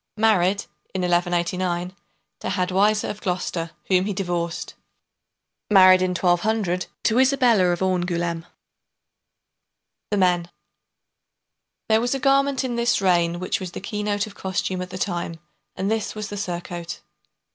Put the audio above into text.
Married, in 1189, to Hadwisa, of Gloucester, whom he divorced; married, in 1200, to Isabella of Angoulême. THE MEN There was a garment in this reign which was the keynote of costume at the time, and this was the surcoat.